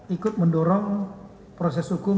ikut mendorong proses hukum